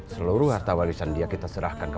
seluruh harta warisan dia kita serahkan ke